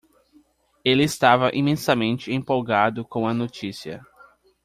Ele estava imensamente empolgado com a notícia.